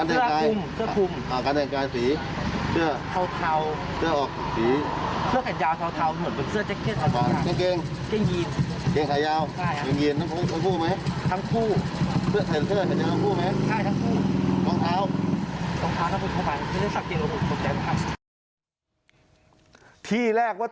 ที่แรกน่ะครับที่แรกน่ะครับที่แรกน่ะครับ